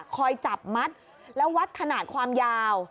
คอยจับมัดแล้ววัดขนาดความยาว